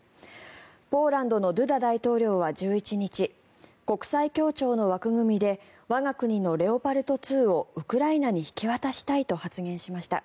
ポーランドのドゥダ大統領は１１日国際協調の枠組みで我が国のレオパルト２をウクライナに引き渡したいと発言しました。